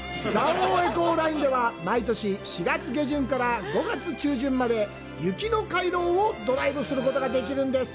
蔵王エコーラインでは、毎年４月下旬から５月中旬まで「雪の回廊」をドライブすることができます。